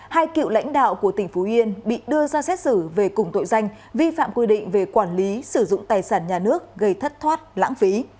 hai cựu lãnh đạo của tỉnh phú yên bị đưa ra xét xử về cùng tội danh vi phạm quy định về quản lý sử dụng tài sản nhà nước gây thất thoát lãng phí